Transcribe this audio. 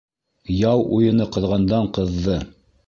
Яу уйыны ҡыҙғандан-ҡыҙҙы.